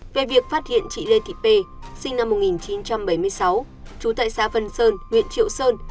về việc phát hiện chị lê thị pê sinh năm một nghìn chín trăm bảy mươi sáu trú tại xã vân sơn huyện triệu sơn